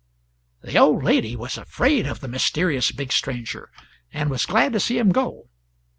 The old lady was afraid of the mysterious big stranger, and was glad to see him go.